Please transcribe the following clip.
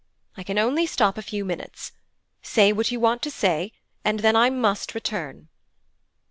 I can only stop a few minutes. Say what you want to say, and then I must return.'